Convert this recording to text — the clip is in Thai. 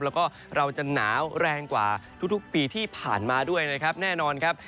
แล้วก็เราจะหนาวแรงกว่าทุกปีที่ผ่านมาด้วยนะครับแน่นอนครับ